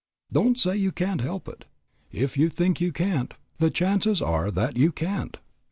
Don't say you can't help it. If you think you can't, the chances are that you can't.